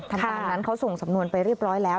ตามนั้นเขาส่งสำนวนไปเรียบร้อยแล้ว